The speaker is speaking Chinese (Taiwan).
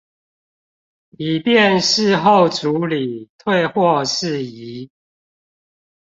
以便事後處理退貨事宜